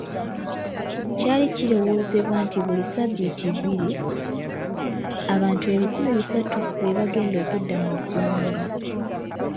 Kyali kirowoozebwa nti buli sabbiiti bbiri, abantu ebikumi bisatu be bagenda okudda mu ggwanga.